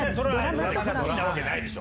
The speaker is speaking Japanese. なわけないでしょ。